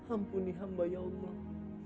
ampuni hamba ya allah